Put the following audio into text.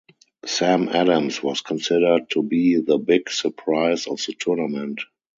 Sam Adams was considered to be the big surprise of the tournament.